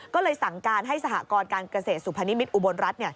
ก็เลยสั่งการให้สหกรการเกษตรสุพนิมิตรอุบลรัฐ